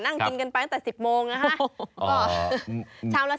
นั่งกินกันไปตั้งแต่๑๐โมงนะฮะ